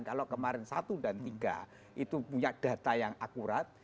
kalau kemarin satu dan tiga itu punya data yang akurat